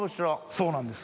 そうなんです。